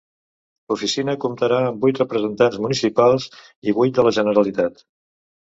L'oficina comptarà amb vuit representants municipals i vuit de la Generalitat.